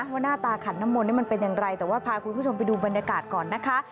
หน้าตาขันน้ำมนต์มันเป็นอย่างไรแต่ว่าพาคุณผู้ชมไปดูบรรยากาศก่อนนะคะ